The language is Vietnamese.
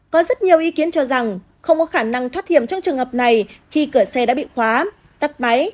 có rất nhiều ý kiến cho rằng không có khả năng thoát hiểm trong trường hợp này khi cửa xe đã bị khóa tắt máy